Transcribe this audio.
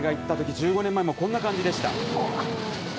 １５年前もこんな感じでした。